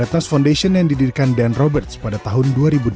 atas foundation yang didirikan dan roberts pada tahun dua ribu delapan